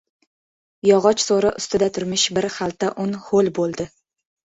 Yog‘och so‘ri ustida turmish bir xalta un ho‘l bo‘ldi.